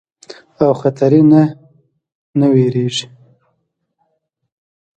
او خطري نه نۀ ويريږي